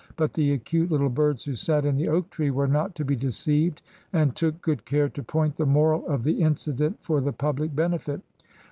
But the acute little birds who sat in the oak tree were not to be deceived, and took good care to point the moral of the incident for the public benefit.